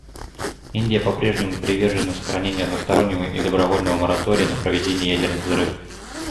Индия по-прежнему привержена сохранению одностороннего и добровольного моратория на проведение ядерных взрывов.